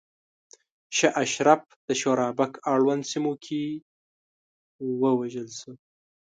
شاه اشرف د شورابک اړونده سیمو کې ووژل شو.